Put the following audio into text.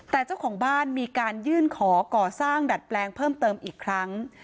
แต่เจ้าของบ้านมีการยื่นขอก่อสร้างดัดแปลงเพิ่มเติมอีกครั้ง